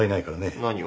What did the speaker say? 何を？